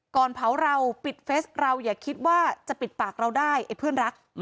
ก่อนเผาเราปิดเฟสเราอย่าคิดว่าจะปิดปากเราได้ไอ้เพื่อนรัก